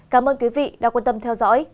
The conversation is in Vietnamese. cảm ơn quý vị đã quan tâm theo dõi